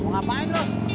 mau ngapain lu